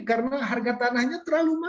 karena harga tanahnya terlalu mahal